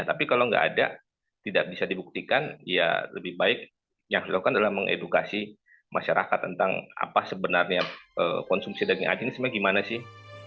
tapi kalau nggak ada tidak bisa dibuktikan ya lebih baik yang dilakukan adalah mengedukasi masyarakat tentang apa sebenarnya konsumsi daging anjing ini sebenarnya gimana sih